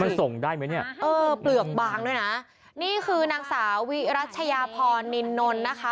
มันส่งได้ไหมเนี่ยเออเปลือกบางด้วยนะนี่คือนางสาววิรัชยาพรนินนนะคะ